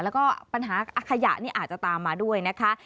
แล้วก็ปัญหาขยะนี่อาจจะตามมาด้วยนะคะ